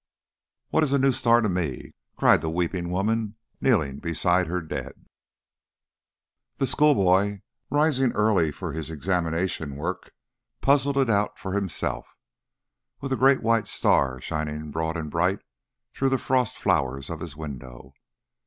"What is a new star to me?" cried the weeping woman kneeling beside her dead. The schoolboy, rising early for his examination work, puzzled it out for himself with the great white star, shining broad and bright through the frost flowers of his window.